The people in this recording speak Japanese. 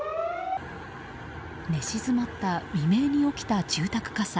寝静まった未明に起きた住宅火災。